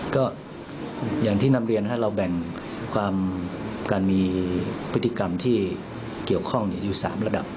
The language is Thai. ก็อย่างที่นำเรียนเราแบ่งความการมีพฤติกรรมที่เกี่ยวข้องอยู่๓ระดับ